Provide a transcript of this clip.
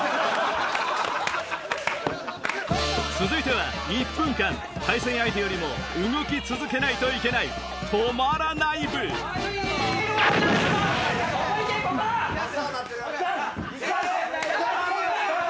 続いては１分間対戦相手よりも動き続けないといけない止まらない部・真っ青になってる・・行け行け！